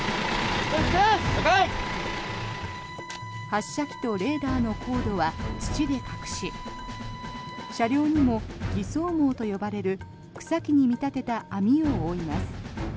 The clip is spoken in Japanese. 発射機とレーダーのコードは土で隠し車両にも偽装網と呼ばれる草木に見立てた網を覆います。